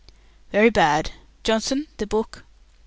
"Very bad Johnson, the book."